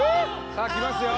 さあきますよ